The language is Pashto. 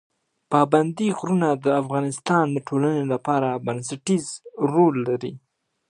پابندی غرونه د افغانستان د ټولنې لپاره بنسټيز رول لري.